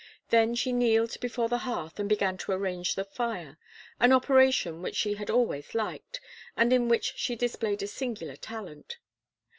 Then she kneeled before the hearth and began to arrange the fire, an operation which she had always liked, and in which she displayed a singular talent.